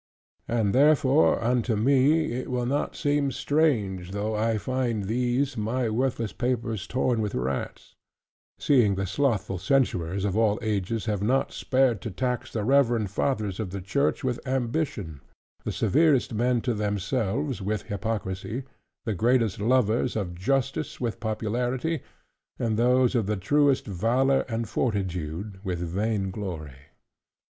And therefore unto me it will not seem strange, though I find these my worthless papers torn with rats: seeing the slothful censurers of all ages have not spared to tax the Reverend Fathers of the Church, with ambition; the severest men to themselves, with hypocrisy; the greatest lovers of justice, with popularity; and those of the truest valor and fortitude, with vain glory.